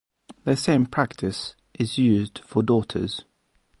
The same practice is used for daughters.